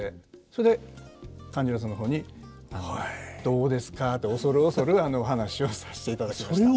それで勘十郎さんの方に「どうですか」と恐る恐るお話をさせていただきました。